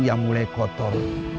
yang mulai kotor